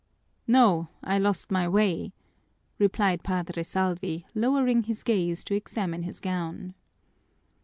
"No, I lost my way," replied Padre Salvi, lowering his gaze to examine his gown.